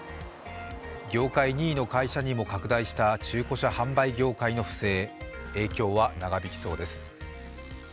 業界２位の会社にも拡大した中古車販売業界の不正、影響は長引きそうです。